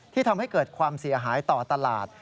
ทำให้เกิดความเสียหายต่อตลาด